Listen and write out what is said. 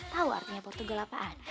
tahu artinya portugal apaan